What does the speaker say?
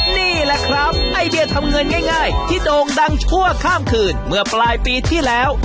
นี่แหละครับไอเดียทำเงินง่ายที่โด่งดังชั่วข้ามคืนเมื่อปลายปีที่แล้ว